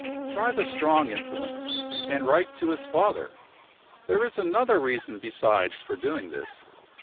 Try the strong influence, and write to his father. There is another reason besides for doing this.